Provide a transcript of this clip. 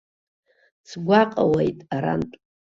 Сгәаҟуеит арантә.